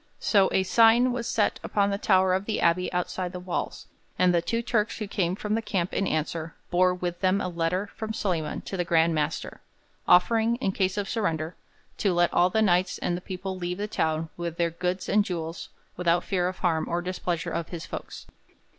So a 'sign' was set upon the tower of the abbey outside the walls, and the two Turks who came from the camp in answer bore with them a letter from Solyman to the Grand Master, offering, in case of surrender, to let all the Knights and the people leave the town with their 'goods and jewels without fear of harm or displeasure of his folks.